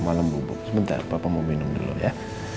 malam bubuk sebentar bapak mau minum dulu ya